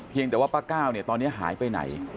เพียงแต่ว่าป้าก้าวตอนนี้หายไปไหน